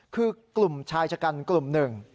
คือกลุ่มชายชะกันกลุ่มหนึ่ง